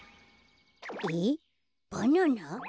えっバナナ？